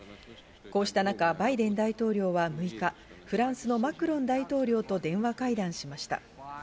こうした中、バイデン大統領は６日、フランスのマクロン大統領と電話会談しました。